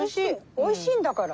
おいしいんだから。